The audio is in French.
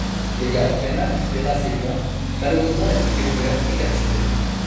Leia Organa récupéra ces plans, malheureusement, elle fut découverte et capturée.